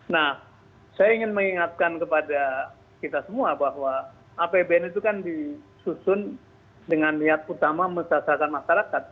nah saya ingin mengingatkan kepada kita semua bahwa apbn itu kan disusun dengan niat utama mesasahkan masyarakat